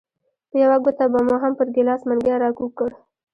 په یوه ګوته به مو هم پر ګیلاس منګی راکوږ کړ.